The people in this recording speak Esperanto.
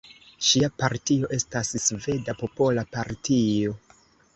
Ŝia partio estas Sveda Popola Partio.